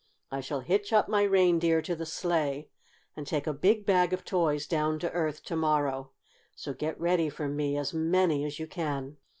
I shall hitch up my reindeer to the sleigh and take a big bag of toys down to Earth to morrow. So get ready for me as many as you can.